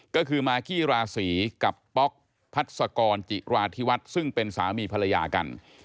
ก็คือมากี้ราศีกับป๊อกพัศกรจิราธิวัฒน์ซึ่งเป็นสามีภรรยากัน